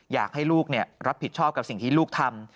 อยากให้ลูกรับผิดชอบกับสิ่งที่ลูกทำ